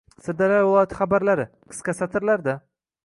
Sirdaryo viloyati xabarlari – qisqa satirlarda